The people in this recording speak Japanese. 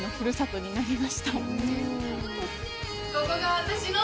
ここが私の。